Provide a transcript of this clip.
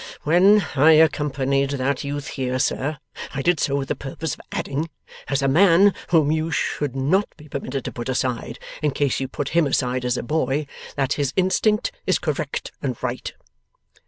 'When I accompanied that youth here, sir, I did so with the purpose of adding, as a man whom you should not be permitted to put aside, in case you put him aside as a boy, that his instinct is correct and right.